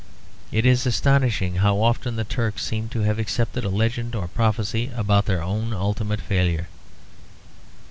It is astonishing how often the Turks seem to have accepted a legend or prophecy about their own ultimate failure.